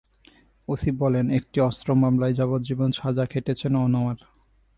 OC বলেন, একটি অস্ত্র মামলায় যাবজ্জীবন সাজা খেটেছেন আনোয়ার।